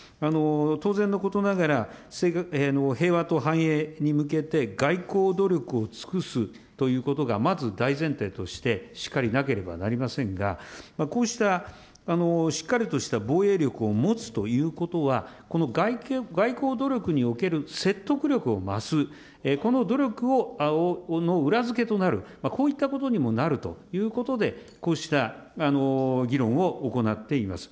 当然のことながら、平和と繁栄に向けて外交努力を尽くすということが、まず大前提としてしっかりなければなりませんが、こうしたしっかりとした防衛力を持つということは、この外交努力における説得力を増すこの努力の裏付けとなる、こういったことにもなるということで、こうした議論を行っています。